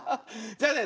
じゃあね